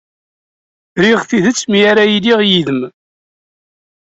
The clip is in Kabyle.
Riɣ s tidet mi ara iliɣ yid-m.